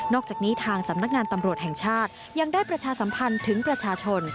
อกจากนี้ทางสำนักงานตำรวจแห่งชาติยังได้ประชาสัมพันธ์ถึงประชาชน